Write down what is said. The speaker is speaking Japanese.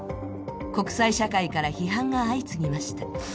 国際社会から批判が相次ぎました。